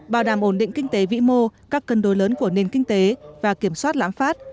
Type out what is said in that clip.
bảo đảm ổn định kinh tế vĩ mô các cân đối lớn của nền kinh tế và kiểm soát lãm phát